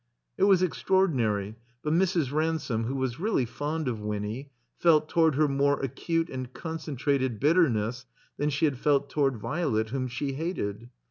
It was extraordinary, but Mrs. Ransome, who was really fond of Winny, felt toward her more acute and concentrated bitterness than she had felt toward Violet, whom she hated.